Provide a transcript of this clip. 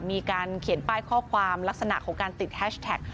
มีการเขียนป้ายข้อความลักษณะของการติดแฮชแท็ก